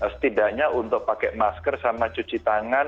setidaknya untuk pakai masker sama cuci tangan